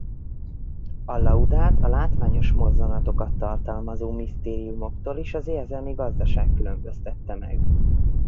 A laudát a látványos mozzanatokat tartalmazó misztériumoktól is az érzelmi gazdaság különböztette meg.